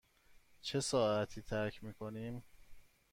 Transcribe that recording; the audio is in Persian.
چه ساعتی ترک می کنیم؟